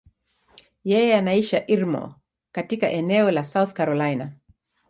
Yeye anaishi Irmo, katika eneo la South Carolina.